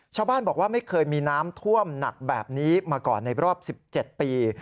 ชาวบ้านบอกว่าไม่เคยมีน้ำท่วมหนักแบบนี้มาก่อนในรอบ๑๗ปี